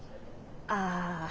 ああ。